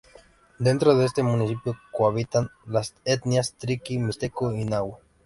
Dentro de este municipio cohabitan las etnias triqui, mixteco y nahua.